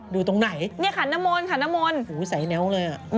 ดูตรงไหนพูดถูกแบบเป็ยบพ่อ